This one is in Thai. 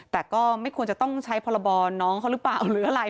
แต่ก็ไม่ควรจะต้องใช้พรบรน้องเขาหรือเปล่าหรืออะไร